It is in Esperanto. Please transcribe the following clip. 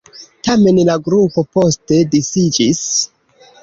Tamen la grupo poste disiĝis.